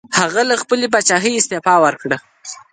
هغه له خپلې پاچاهۍ استعفا وکړه.